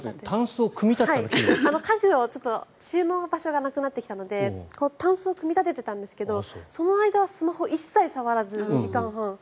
家具の収納場所がなくなってきたのでたんすを組み立てたんですがその間はスマホを一切触らず２時間半。